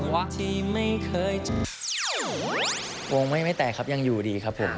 วงไม่แตกครับยังอยู่ดีครับผม